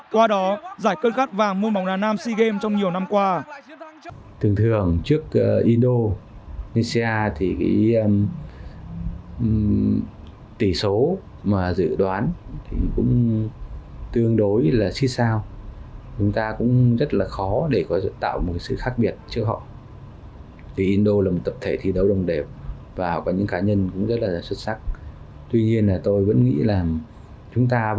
qua đó giải cất gắt vàng mua bóng đàn nam sea games trong nhiều năm qua